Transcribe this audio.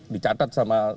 dicatat sama penyidikan